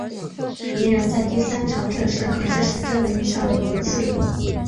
鸣人在第三场正式考试时真的遇上了宁次。